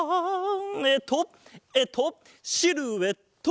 えっとえっとシルエット！